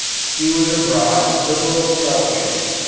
His was a broad, liberal scholarship.